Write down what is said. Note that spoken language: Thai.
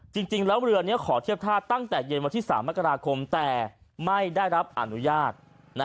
จริงแล้วเรือนี้ขอเทียบท่าตั้งแต่เย็นวันที่๓มกราคมแต่ไม่ได้รับอนุญาต